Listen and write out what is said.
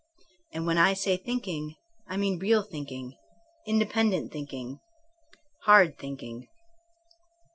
And when I say thinking I mean real thinking, independent thinking, hard thinking.